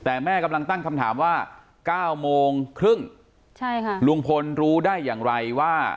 แต่แม่กำลังตั้งคำถามว่า๙โมงครึ่งใช่ค่ะลุงพลรู้ได้อย่างไรว่า